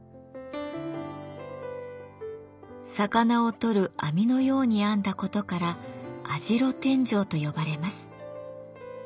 魚を取る網のように編んだことから網代天井と呼ばれます。